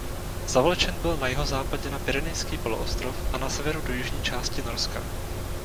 Zavlečen byl na jihozápadě na Pyrenejský poloostrov a na severu do jižní části Norska.